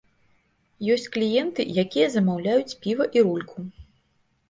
Ёсць кліенты, якія замаўляюць піва і рульку.